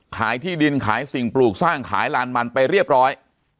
ขายที่ดินขายสิ่งปลูกสร้างขายลานมันไปเรียบร้อย